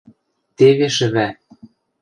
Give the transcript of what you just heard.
– Теве шӹвӓ.